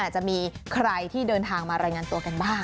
จะมีใครที่เดินทางมารายงานตัวกันบ้าง